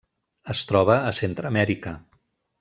Es troba a Centreamèrica.